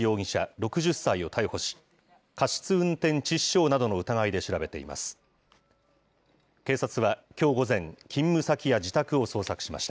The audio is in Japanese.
６０歳を逮捕し、過失運転致死傷などの疑いで調べています。